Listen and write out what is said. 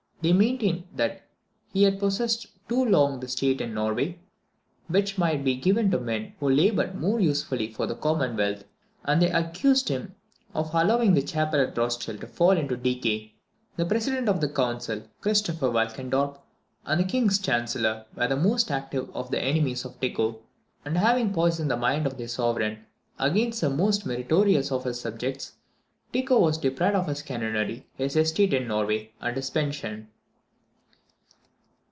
They maintained that he had possessed too long the estate in Norway, which might be given to men who laboured more usefully for the commonwealth; and they accused him of allowing the chapel at Rothschild to fall into decay. The President of the Council, Christopher Walchendorp, and the King's Chancellor, were the most active of the enemies of Tycho; and, having poisoned the mind of their sovereign against the most meritorious of his subjects, Tycho was deprived of his canonry, his estate in Norway, and his pension.